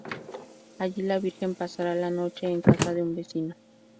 Allí la Virgen pasará la noche en casa de un vecino.